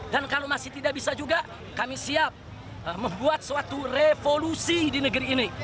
dan kalau masih tidak bisa juga kami siap membuat suatu revolusi di negeri ini